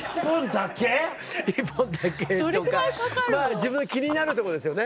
自分の気になるとこですよね。